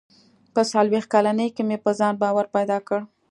• په څلوېښت کلنۍ کې مې په ځان باور پیدا کړ.